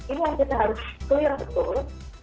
ini yang kita harus jelasin